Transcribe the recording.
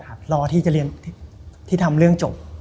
รอที่จะเรียนที่ทำเรื่องจบ